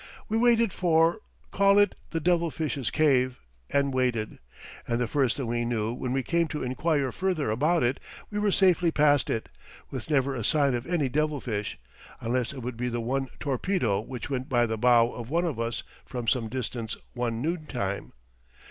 We waited for call it the Devilfish's Cave and waited; and the first thing we knew when we came to inquire further about it, we were safely past it, with never a sign of any devil fish, unless it would be the one torpedo which went by the bow of one of us from some distance one noontime.